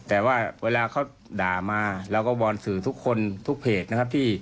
แต่ว่าเวลาเขาด่ามาเราก็วอนสื่อทุกคนทุกเพจนะครับที่